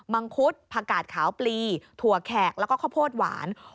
ังคุดผักกาดขาวปลีถั่วแขกแล้วก็ข้าวโพดหวาน